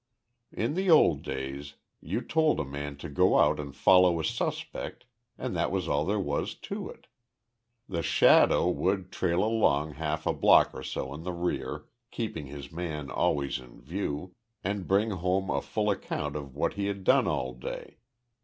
In the old days, you told a man to go out and follow a suspect and that was all there was to it. The "shadow" would trail along half a block or so in the rear, keeping his man always in view, and bring home a full account of what he had done all day.